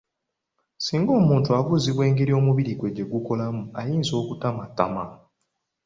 Singa omuntu abuuzibwa engeri omubiri gwe gye gukolamu ayinza okutamattamamu.